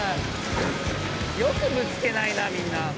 よくぶつけないなみんな。